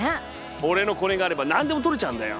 俺のコネがあれば何でも取れちゃうんだよ。